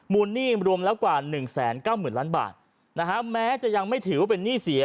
หนี้รวมแล้วกว่า๑๙๐๐ล้านบาทนะฮะแม้จะยังไม่ถือว่าเป็นหนี้เสีย